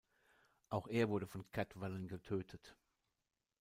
Auch er wurde von Cadwallon getötet.